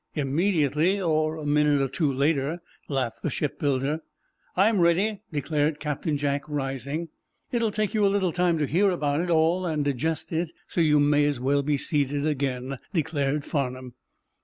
"Immediately, or a minute or two later," laughed the shipbuilder. "I'm ready," declared Captain Jack, rising. "It'll take you a little time to hear about it all and digest it, so you may as well be seated again," declared Farnum.